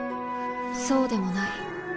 そうでもない。